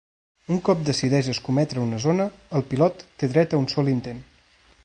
Un cop decideix escometre una zona, el pilot té dret a un sol intent.